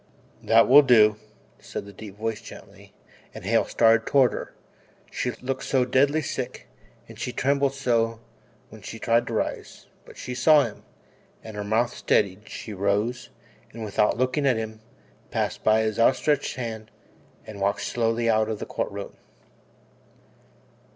"That will do," said the deep voice gently, and Hale started toward her she looked so deadly sick and she trembled so when she tried to rise; but she saw him, her mouth steadied, she rose, and without looking at him, passed by his outstretched hand and walked slowly out of the Court Room.